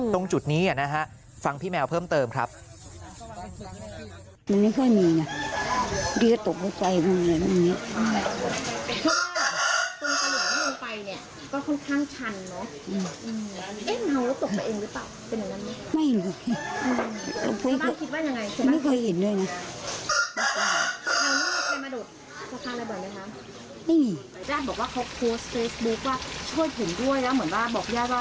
ตรงจุดนี้นะฮะฟังพี่แมวเพิ่มเติมครับ